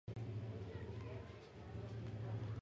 خوف